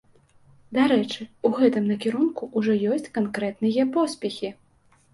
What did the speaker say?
Дарэчы, у гэтым накірунку ўжо ёсць канкрэтныя поспехі.